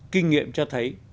kinh nghiệm cho thấy